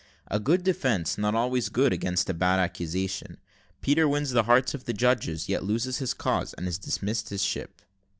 A GOOD DEFENCE NOT ALWAYS GOOD AGAINST A BAD ACCUSATION PETER WINS THE HEARTS OF HIS JUDGES, YET LOSES HIS CAUSE, AND IS DISMISSED HIS SHIP.